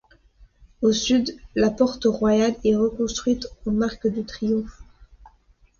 Au sud, la porte Royale est reconstruite en arc de triomphe.